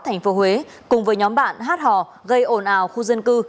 tp huế cùng với nhóm bạn hát hò gây ồn ào khu dân cư